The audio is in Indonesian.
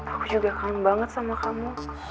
aku juga kangen banget sama kamu